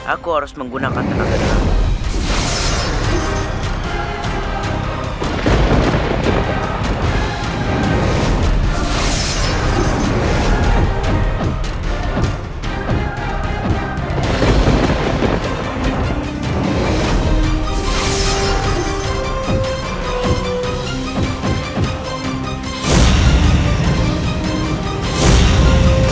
aku harus menggunakan tenaga dalam